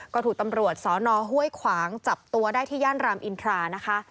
ก็ถูกตำรวจสอนอห้วยขวางจับตัวได้ที่ย่านรามอินทรานะคะ